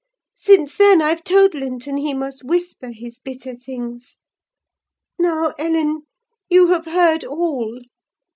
Since then, I've told Linton he must whisper his bitter things. Now, Ellen, you have heard all.